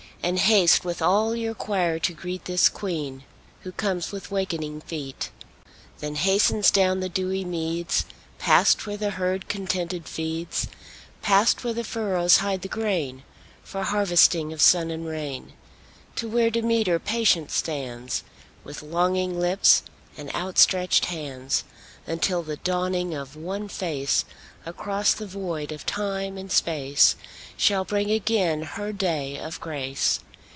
And haste with all your choir to greet This Queen who comes with wakening feet. Persephone with grateful eyes Salutes the Sun—'tis Paradise: Then hastens down the dewy meads, Past where the herd contented feeds, Past where the furrows hide the grain, For harvesting of sun and rain; To where Demeter patient stands With longing lips and outstretched hands, Until the dawning of one face Across the void of time and space Shall bring again her day of grace.